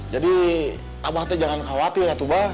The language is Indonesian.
jadi abah teh jangan khawatir ya tuh mbak